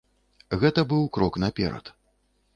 Гэта быў крок наперад.